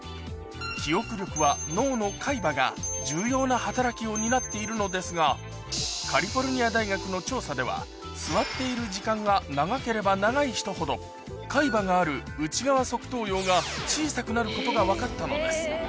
記憶力は脳の海馬が重要な働きを担っているのですがカリフォルニア大学の調査では座っている時間が長ければ長い人ほど海馬がある内側側頭葉が小さくなることが分かったのです